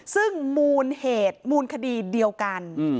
ซึ่งมูลเหตุมูลคดีเดียวกัน